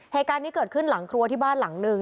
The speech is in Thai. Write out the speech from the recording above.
เหตุการณ์นี้เกิดขึ้นหลังครัวที่บ้านหลังนึง